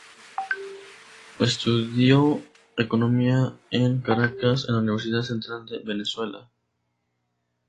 Estudió economía en Caracas, en la Universidad Central de Venezuela.